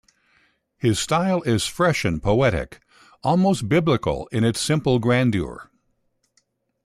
His style is fresh and poetic, almost Biblical in its simple grandeur.